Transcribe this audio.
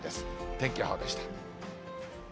天気予報でした。